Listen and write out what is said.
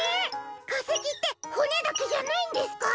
かせきってほねだけじゃないんですか？